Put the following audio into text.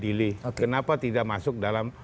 pilih kenapa tidak masuk dalam